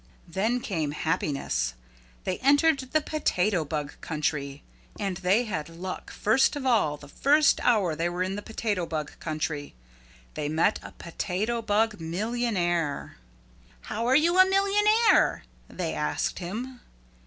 Then came happiness. They entered the Potato Bug Country. And they had luck first of all the first hour they were in the Potato Bug Country. They met a Potato Bug millionaire. "How are you a millionaire?" they asked him.